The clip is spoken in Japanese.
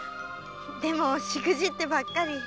でもしくじってばっかり。